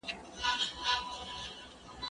زه بايد سپينکۍ پرېولم.